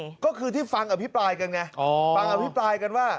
ก็คือที่ฟังอภิปรายกันไงอ๋อฟังอภิปรายกันว่า